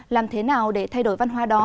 làm thế nào để thay đổi văn hóa đó